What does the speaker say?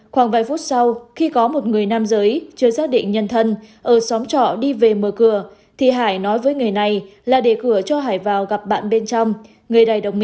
khoảng vài phút sau khi có một người nam giới chưa xác định nhân thân ở xóm trỏ đi về mở cửa thì hải nói với người này là để cứu